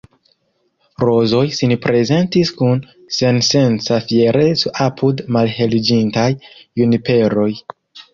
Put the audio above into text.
Rozoj sinprezentis kun sensenca fiereco apud malheliĝintaj juniperoj.